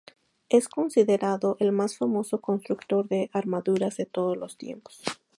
Es considerado el más famoso constructor de armaduras de todos los tiempos.